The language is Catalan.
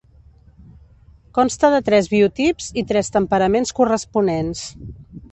Consta de tres biotips i tres temperaments corresponents.